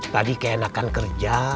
tadi keenakan kerja